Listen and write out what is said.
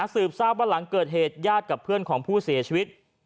สืบทราบว่าหลังเกิดเหตุญาติกับเพื่อนของผู้เสียชีวิต